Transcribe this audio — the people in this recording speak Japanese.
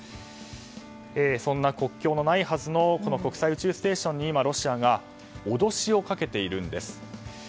そんな国境のないはずの国際宇宙ステーションに今、ロシアが脅しをかけているんです。